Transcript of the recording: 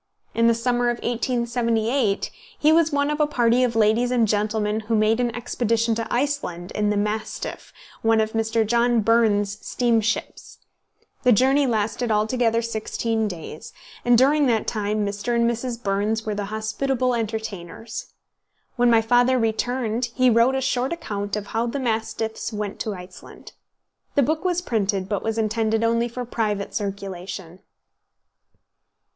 In the summer of 1878, he was one of a party of ladies and gentlemen who made an expedition to Iceland in the "Mastiff," one of Mr. John Burns' steam ships. The journey lasted altogether sixteen days, and during that time Mr. and Mrs. Burns were the hospitable entertainers. When my father returned, he wrote a short account of How the "Mastiffs" went to Iceland. The book was printed, but was intended only for private circulation.